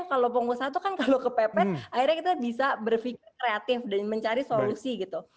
kalau pengusaha itu kan kalau kepepet akhirnya kita bisa berpikir kreatif dan mencari solusi gitu